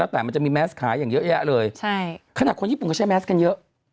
แต่มันจะมีแมสขายอย่างเยอะแยะเลยใช่ขนาดคนญี่ปุ่นเขาใช้แมสกันเยอะ